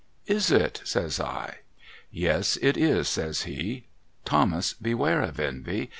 ' Is it ?' says I. ' Yes, it is,' says he. ' Thomas, beware of envy.